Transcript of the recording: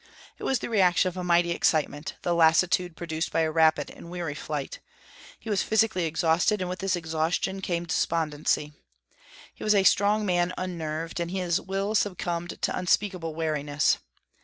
It was the reaction of a mighty excitement, the lassitude produced by a rapid and weary flight. He was physically exhausted, and with this exhaustion came despondency. He was a strong man unnerved, and his will succumbed to unspeakable weariness.